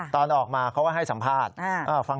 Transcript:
ตอนออกมาเขาก็ให้สัมภาษณ์